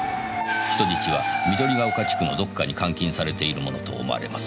「人質は緑ヶ丘地区のどこかに監禁されているものと思われます」